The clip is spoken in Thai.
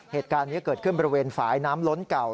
เหตุการณ์นี้เกิดขึ้นบริเวณฝ่ายน้ำล้นเก่า